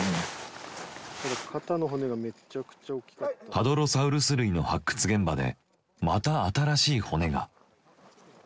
ハドロサウルス類の発掘現場でまた新しい骨が。